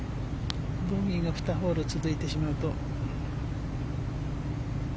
ボギーが２ホール続いてしまうと。